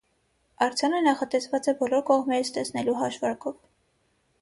Արձանը նախատեսված է բոլոր կողմերից տեսնելու հաշվարկով։